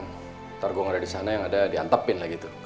ntar gue gak ada disana yang ada diantepin lagi tuh